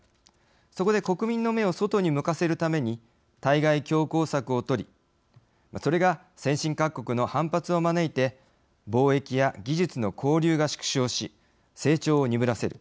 そこで国民の目を外に向かせるために対外強硬策を取りそれが先進各国の反発を招いて貿易や技術の交流が縮小し成長を鈍らせる。